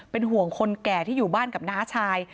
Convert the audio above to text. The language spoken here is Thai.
เป็นห่วงคนแก่ที่อยู่บ้านกับน้าชาย